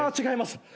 違います。